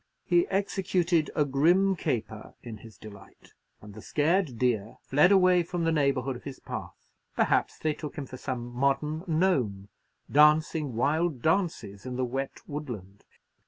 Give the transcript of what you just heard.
He executed a grim caper in his delight, and the scared deer fled away from the neighbourhood of his path; perhaps they took him for some modern gnome, dancing wild dances in the wet woodland.